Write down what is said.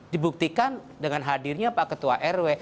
dibuktikan dengan hadirnya pak ketua rw